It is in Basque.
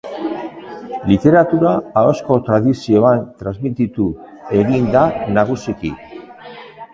Literatura ahozko tradizioan transmititu egin da nagusiki.